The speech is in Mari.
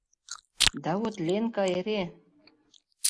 Да вот Ленка эре...